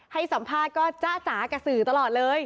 ให้สัมภาษณ์ก็จ๊ะจ๋ากับสื่อตลอดเลย